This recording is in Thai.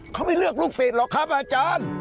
เขาไม่เลือกลูกศิษย์หรอกครับอาจารย์